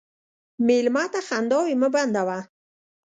مېلمه ته خنداوې مه بندوه.